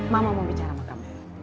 mama mau bicara sama kami